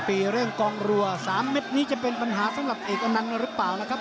ปีเรื่องกองรัว๓เม็ดนี้จะเป็นปัญหาสำหรับเอกอนันต์หรือเปล่านะครับ